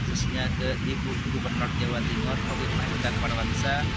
khususnya ke ibu gubernur jawa timur pak wimah yudha parwansa